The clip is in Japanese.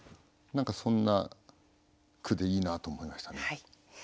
何かそんな句でいいなと思いましたね。